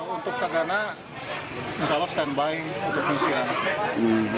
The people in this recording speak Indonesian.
untuk tagana misalnya standby untuk pengungsi anak